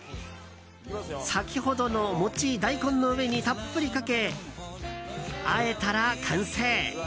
先ほどの餅、大根の上にたっぷりかけ、あえたら完成。